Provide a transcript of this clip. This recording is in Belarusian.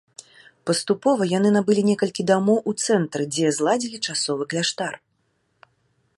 Паступова яны набылі некалькі дамоў у цэнтры, дзе зладзілі часовы кляштар.